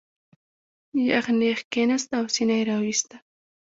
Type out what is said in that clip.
یغ نېغ کېناست او سینه یې را وویسته.